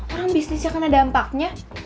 orang bisnisnya kan ada dampaknya